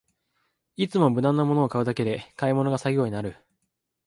いつも無難なものを買うだけで買い物が作業になる